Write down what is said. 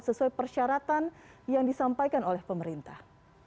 sesuai persyaratan yang disampaikan oleh pemerintah